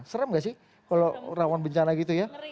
serem gak sih kalau rawan bencana gitu ya